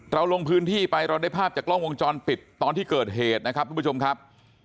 เราลงพื้นที่ไปเราได้ภาพจากกล้องวงจรปิดตอนที่เกิดเหตุนะครับทุกผู้ชมครับ